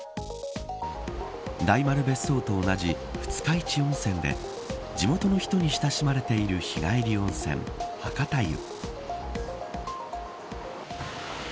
大丸別荘と同じ、二日市温泉で地元の人に親しまれている日帰り温泉、博多湯。